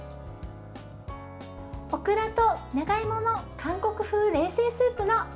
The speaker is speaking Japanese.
オクラと長芋の韓国風冷製スープの完成です。